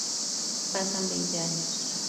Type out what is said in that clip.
Pasan veinte años.